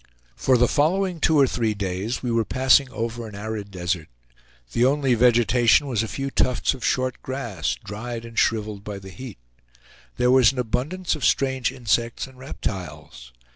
For the following two or three days we were passing over an arid desert. The only vegetation was a few tufts of short grass, dried and shriveled by the heat. There was an abundance of strange insects and reptiles.